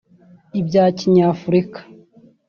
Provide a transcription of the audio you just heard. ibya kinyafurika